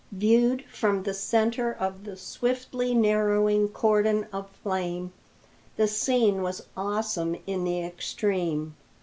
Viewed from the centre of the swiftly narrowing cordon of flame, the scene was awesome in the extreme.